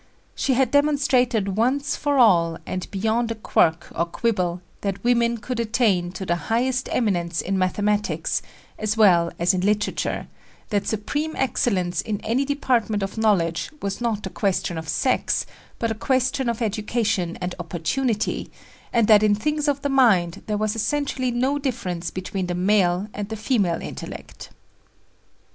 She had demonstrated once for all, and beyond a quirk or quibble, that women could attain to the highest eminence in mathematics as well as in literature, that supreme excellence in any department of knowledge was not a question of sex but a question of education and opportunity, and that in things of the mind there was essentially no difference between the male and the female intellect.